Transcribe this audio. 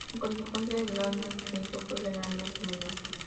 En consecuencia, el daño del viento fue generalmente menor.